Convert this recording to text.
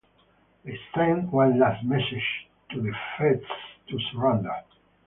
They sent one last message to the feds to surrender.